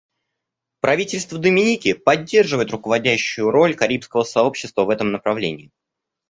Правительство Доминики поддерживает руководящую роль Карибского сообщества в этом направлении.